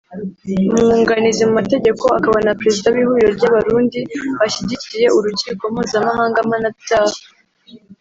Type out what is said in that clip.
umwunganizi mu mategeko akaba na Perezida w’ihuriro ry’Abarundi bashyigikiye Urukiko Mpuzamahanga mpanabyaha